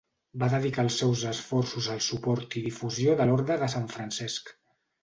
Va dedicar els seus esforços al suport i difusió de l'Orde de Sant Francesc.